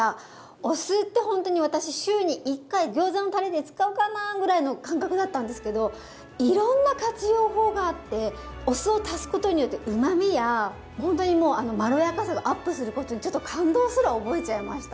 お酢ってほんとに私週に１回ギョーザのタレで使うかなぐらいの感覚だったんですけどいろんな活用法があってお酢を足すことによってうまみやほんとにもうあのまろやかさがアップすることにちょっと感動すら覚えちゃいました！